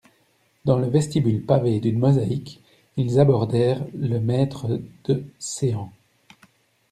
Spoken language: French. Dans le vestibule pavé d'une mosaïque, ils abordèrent le maître de céans.